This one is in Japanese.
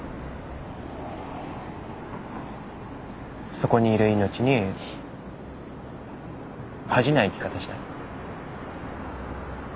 そこにいる命に恥じない生き方したい。